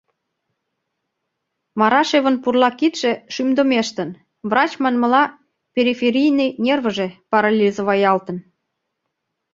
Марашевын пурла кидше шӱмдымештын — врач манмыла, периферийный нервыже парализоваялтын.